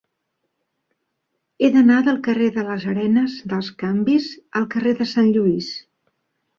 He d'anar del carrer de les Arenes dels Canvis al carrer de Sant Lluís.